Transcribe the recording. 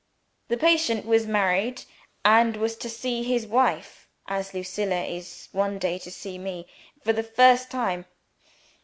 The patient was married, and was to see his wife (as Lucilla is one day to see me) for the first time.